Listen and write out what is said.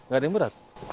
gak ada yang berat